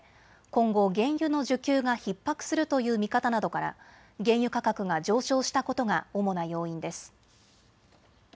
今後、原油の需給がひっ迫するという見方などから原油価格が上昇したことが主な要因です。